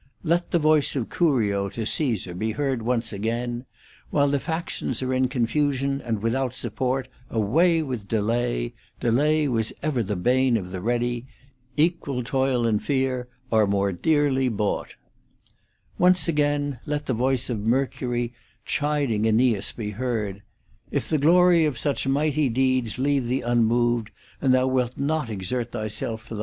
Let the voice of Curio to Caesar be heard once again :' While the factions are in confusion and without support, away with delay ! delay was ever the bane of the ready — equal toil and fear are more dearly bought'. Once again let the voice of Mercury chiding Aeneas be heard :* If the glory of such mighty deeds leave thee unmoved, and thou wilt not exert thyself for thine 1 ' Describi' — so A.V. renders describeretur in Luke ii.